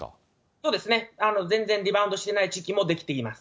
そうですね、全然リバウンドしていない地域も出てきています。